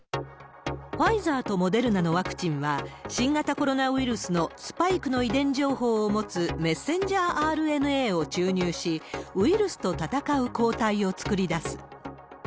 ファイザーとモデルナのワクチンは、新型コロナウイルスのスパイクの遺伝情報を持つメッセンジャーＲＮＡを注入し、ウイルスと闘う抗体を作り出す。